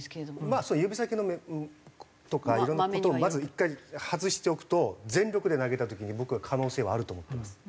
まあその指先のとかいろんな事をまず１回外しておくと全力で投げた時に僕は可能性はあると思ってます。